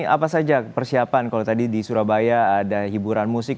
apa saja persiapan kalau tadi di surabaya ada hiburan musik